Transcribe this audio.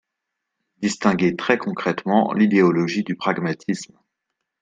distinguer très concrètement l’idéologie du pragmatisme.